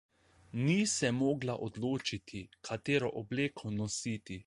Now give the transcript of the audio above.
Ni se mogla odločiti, katero obleko nositi.